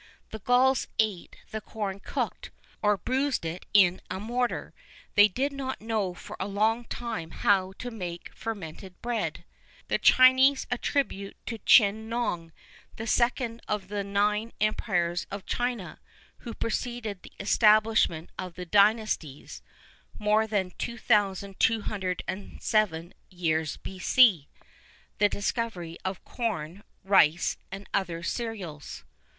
The Gauls ate the corn cooked, or bruised in a mortar; they did not know for a long time how to make fermented bread. The Chinese attribute to Chin Nong, the second of the nine emperors of China who preceded the establishment of the dynasties (more than 2,207 years B.C.), the discovery of corn, rice, and other cereals.